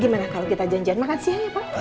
gimana kalau kita janjian makan siang ya pak